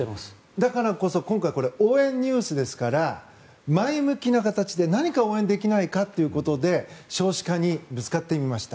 だからこそ今回、これ応援ＮＥＷＳですから前向きな形で何か応援できないかということで少子化にぶつかってみました。